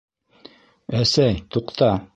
Әсәй, туҡта...